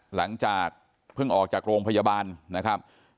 หลังจากเพิ่งออกจากโรงพยาบาลนะครับ